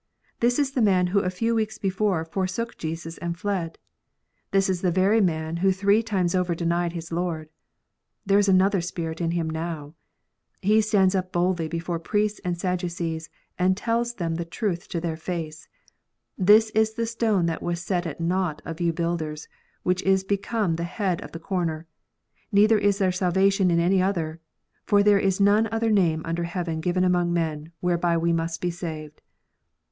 This is the man who a few weeks before forsook Jesus and fled : this is the very man who three times over denied his Lord. There is another spirit in him now ! He stands up boldly before priests and Sadducees, and tells them the truth to their face : "This is the stone that was set at naught of you builders, which is become the head of the corner. Neither is there salvation in any other : for there is none other name under heaven given among men, whereby we must be saved."